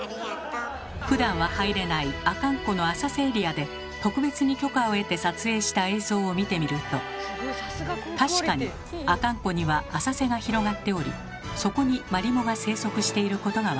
ふだんは入れない阿寒湖の浅瀬エリアで特別に許可を得て撮影した映像を見てみると確かに阿寒湖には浅瀬が広がっておりそこにマリモが生息していることが分かります。